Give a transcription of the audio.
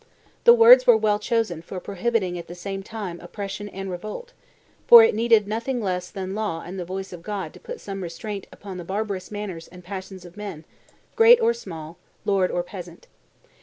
The words were well chosen for prohibiting at the same time oppression and revolt, for it needed nothing less than law and the voice of God to put some restraint upon the barbarous manners and passions of men, great or small, lord or peasant.